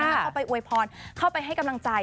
เข้าไปอวยพรเข้าไปให้กำลังใจ